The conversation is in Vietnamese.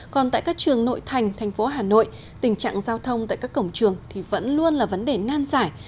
còn tại các trường nội thành thành phố hà nội tình trạng giao thông tại các cổng trường thì vẫn luôn là vấn đề nan giải